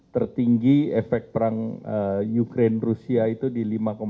tertinggi efek perang ukraine rusia itu di lima sembilan puluh lima